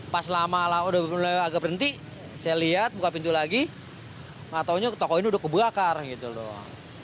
pas lama lah udah mulai agak berhenti saya lihat buka pintu lagi gak taunya toko ini udah kebakar gitu loh